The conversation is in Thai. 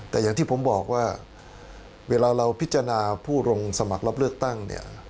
แต่อย่างที่ผมบอกว่าเวลาเราพิจารณาผู้ลงสมัครรับเลือกตั้งเนี่ย